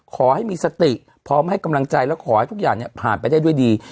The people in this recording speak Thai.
ขอให้มีสติพร้อมให้กำลังใจและขอให้ทุกอย่างผ่านไปได้ด้วยดี